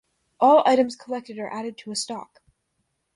All items collected are added to a stock.